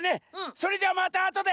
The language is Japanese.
それじゃあまたあとで！